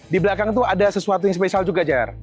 di belakang itu ada sesuatu yang spesial juga jar